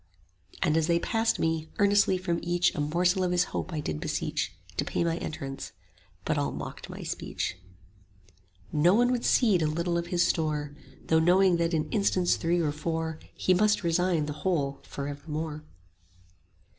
And as they passed me, earnestly from each A morsel of his hope I did beseech, 50 To pay my entrance; but all mocked my speech. No one would cede a little of his store, Though knowing that in instants three or four He must resign the whole for evermore.